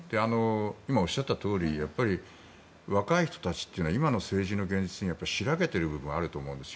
今おっしゃったとおり若い人たちというのは今の政治の現実にしらけている部分があると思うんです。